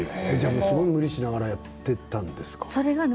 すごい無理をしながらやっていたんですか？